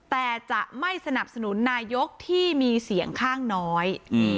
แต่จะไม่สนับสนุนนายกที่มีเสียงข้างน้อย